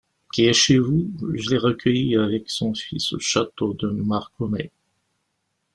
Qui est chez vous ? Je l'ai recueillie avec son fils au château de Marconnay.